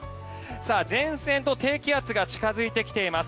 前線と低気圧が近付いてきています。